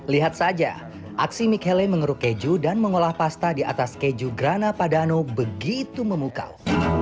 lihat saja aksi michele mengeruk keju dan mengolah pasta di atas keju grana padano begitu memukau